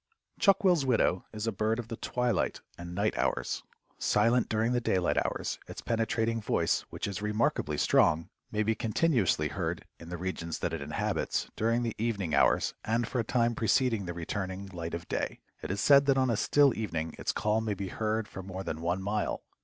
Chuck will's widow is a bird of the twilight and night hours. Silent during the daylight hours, its penetrating voice, which is remarkably strong, may be continuously heard in the regions that it inhabits during the evening hours and for a time preceding the returning light of day. It is said that on a still evening its call may be heard for more than one mile.